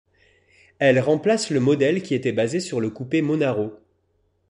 Elle remplace le modèle qui était basé sur le coupé Monaro.